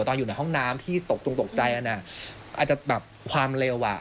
ตอนอยู่ในห้องน้ำที่ตกตรงตกใจอันนั้นอาจจะแบบความเร็วอ่ะ